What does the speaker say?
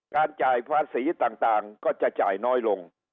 จ่ายภาษีต่างก็จะจ่ายน้อยลง